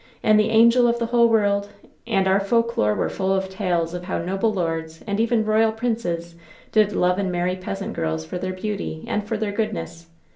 And the angel of the whole world, and our folk lore were full of tales of how noble lords, and even royal princes, did love and marry peasant girls for their beauty and for their goodness.